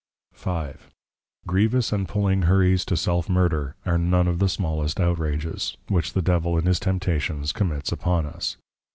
_ V. Grievous and Pulling Hurries to Self Murder are none of the smallest outrages, which the Devil in his Temptations commits upon us.